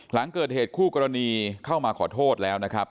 หลังเกิดเหตุคู่กรณีเข้ามาขอโทษแล้วนะครับ